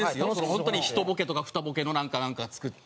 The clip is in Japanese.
本当にひとボケとかふたボケのなんか作って。